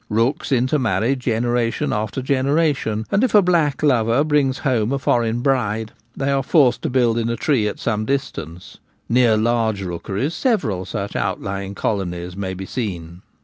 Rooks intermarry generation after gene ration ; and if a black lover brings home a foreign bride they arc forced to build in a tree at some dis tance. Near large rookeries several such outlying colonies may be seen.